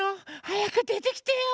はやくでてきてよ。